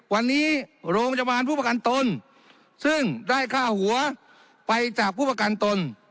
วันนี้โรงพยาบาลผู้ประกันตนซึ่งได้ค่าหัวไปจากผู้ประกันตน